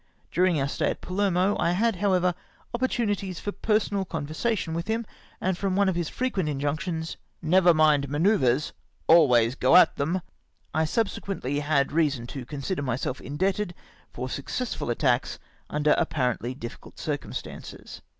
Durmg our stay at Palermo, I had, however, opportunities of personal conversation with him, and from one of liis frequent injunctions, " Never mind manoeuvres, always go at them," I subsequently had reason to consider myself indebted for successful attacks under apparently difficult circumstances.